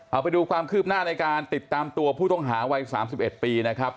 เอาไปดูความคืบหน้าในการติดตามตัวผู้ต้องหาวัย๓๑ปีนะครับ